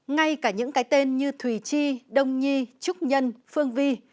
ngay cả những cái tên như thùy chi đông nhi trúc nhân phương vi